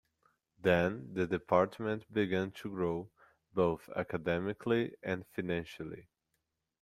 Then, the Department began to grow, both academically and financially.